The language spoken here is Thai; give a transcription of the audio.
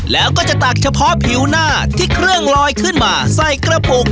แล้วก็จะตักเฉพาะผิวหน้าที่เครื่องลอยขึ้นมาใส่กระปุก